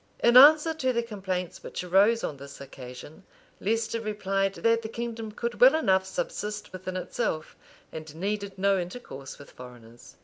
In answer to the complaints which arose on this occasion, Leicester replied that the kingdom could well enough subsist within itself, and needed no intercourse with foreigners.